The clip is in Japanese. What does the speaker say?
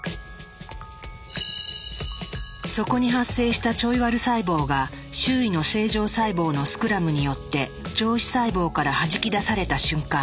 そこに発生したちょいワル細胞が周囲の正常細胞のスクラムによって上皮細胞からはじき出された瞬間。